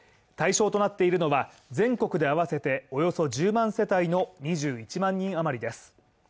対象となっているのは全国で合わせておよそ１０万世帯の２１万人余りです。